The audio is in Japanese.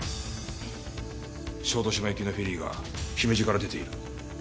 小豆島行きのフェリーが姫路から出ている。